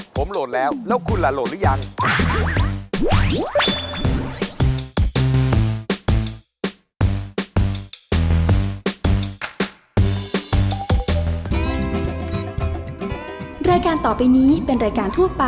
ผมโหลดแล้วแล้วคุณล่ะโหลดหรือยัง